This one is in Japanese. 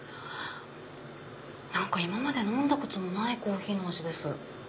何か今まで飲んだことのないコーヒーの味です。